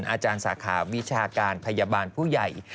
อาจารย์สาขาวิชาการพยาบาลผู้ใหญ่